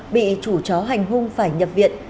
bị chủ chó hành hung phải nhập viện